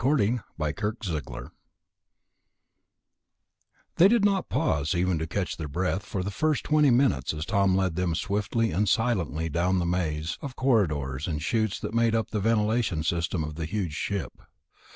11. The Haunted Ship They did not pause, even to catch their breath, for the first twenty minutes as Tom led them swiftly and silently down through the maze of corridors and chutes that made up the ventilation system of the huge ship.